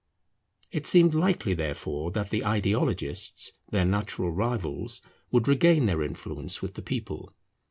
It seemed likely therefore that the Ideologists, their natural rivals, would regain their influence with the people.